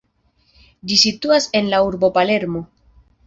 Ĝi situas en la urbo Palermo.